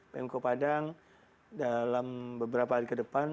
pemko padang dalam beberapa hari ke depan